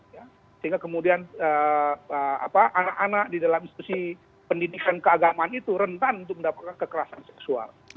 sehingga kemudian anak anak di dalam institusi pendidikan keagamaan itu rentan untuk mendapatkan kekerasan seksual